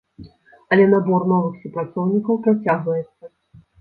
Але набор новых супрацоўнікаў працягваецца.